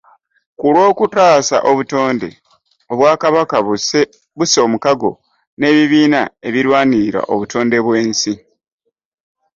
Ku lw'okutaasa obutonde, Obwakabaka busse omukago n'ebibiina ebirwanirira obutonde bw'ensi